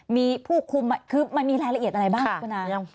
มีผู้คุมคือมันมีรายละเอียดอันไหนบ้างอุณหา